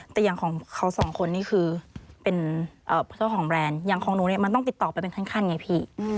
แต่อย่างของเขาสองคนนี่คือเป็นเจ้าของแบรนด์อย่างของหนูเนี่ยมันต้องติดต่อไปเป็นขั้นไงพี่